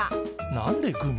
何でグミ？